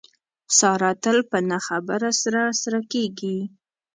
ساره تل په نه خبره سره سره کېږي.